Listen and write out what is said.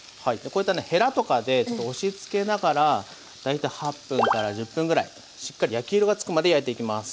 こういったねヘラとかでちょっと押しつけながら大体８分から１０分ぐらいしっかり焼き色がつくまで焼いていきます。